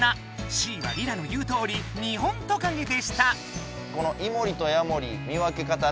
Ｃはリラの言うとおりニホントカゲでした。